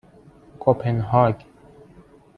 کپنهاگ